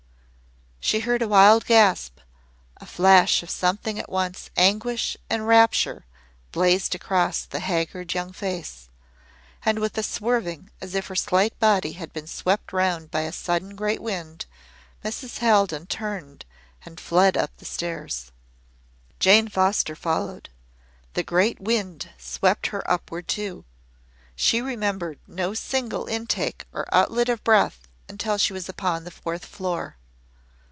She heard a wild gasp a flash of something at once anguish and rapture blazed across the haggard, young face and with a swerving as if her slight body had been swept round by a sudden great wind, Mrs. Haldon turned and fled up the stairs. Jane Foster followed. The great wind swept her upward too. She remembered no single intake or outlet of breath until she was upon the fourth floor.